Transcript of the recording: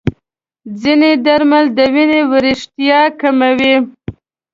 ځینې درمل د وینې وریښتیا کموي.